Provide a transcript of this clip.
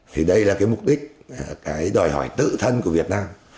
thì đây là mục đích đòi hỏi tự thân của việt nam